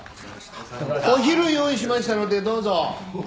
お昼用意しましたのでどうぞ。